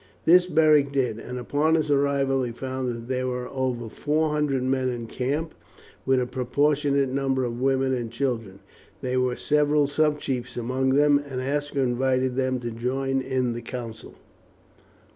This Beric did, and upon his arrival he found that there were over four hundred men in camp, with a proportionate number of women and children. There were several subchiefs among them, and Aska invited them to join in the council.